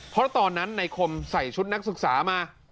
เพราะตอนนั้นในคมใส่ชุดนักศึกษามา